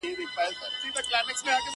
ماسومان هم راځي او د پیښي په اړه پوښتني کوي-